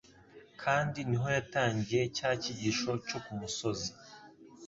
kandi ni ho yatangiye cya cyigisho cyo ku musozi.